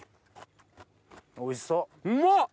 おいしそう。